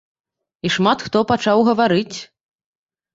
І шмат хто пачаў гаварыць.